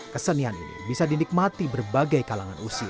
kesenian ini bisa dinikmati berbagai kalangan usia